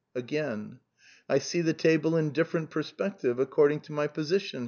Again: ^'I see the table in different perspective according to my position.